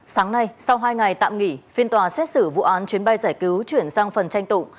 sáng nay sau hai ngày tạm nghỉ phiên tòa xét xử vụ án chuyến bay giải cứu chuyển sang phần tranh tụng